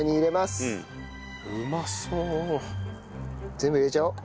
全部入れちゃおう。